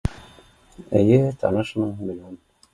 Эйе танышмын, беләм